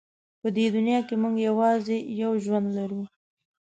په دې دنیا کې موږ یوازې یو ژوند لرو.